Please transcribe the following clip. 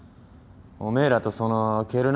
おめえらとそのケル